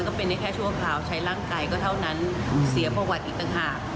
ทุกวันนั้นก็เป็นแค่ชั่วคราวใช้ร่างอาจรักษาก็เท่านั้นเสียประวัติอีกถึง